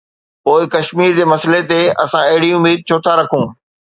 پوءِ ڪشمير جي مسئلي تي اسان اهڙي اميد ڇو ٿا رکون؟